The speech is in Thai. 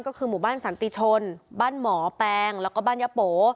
ก็คือหมู่บ้านสันติชนบ้านหมอแปงแล้วก็บ้านยะโป